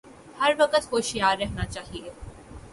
ہر وقت ہوشیار رہنا چاہیے